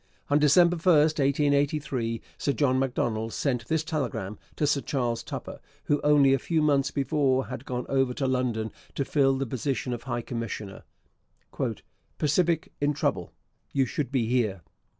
On December 1, 1883, Sir John Macdonald sent this telegram to Sir Charles Tupper, who only a few months before had gone over to London to fill the position of high commissioner: 'Pacific in trouble, you should be here.'